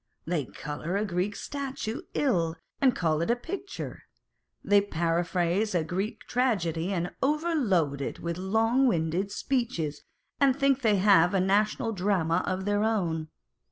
They colour a Greek statue ill, and call it a picture : they paraphrase a Greek tragedy, and overload it with long winded speeches, and think they have a national drama of their own.